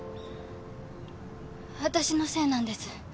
私のせいなんです。